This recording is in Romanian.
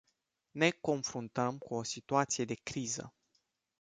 Ne confruntăm cu o situație de criză.